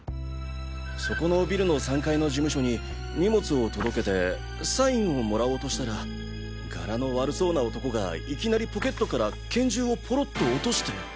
そこのビルの３階の事務所に荷物を届けてサインをもらおうとしたらガラの悪そうな男がいきなりポケットから拳銃をぽろっと落として。